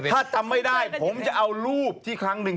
ถ้าจำไม่ได้ผมจะเอารูปที่ครั้งหนึ่ง